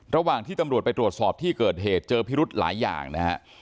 ระหว่างที่ตำรวจไปตรวจสอบที่เกิดเหตุเจอพิรุธหลายอย่างนะฮะ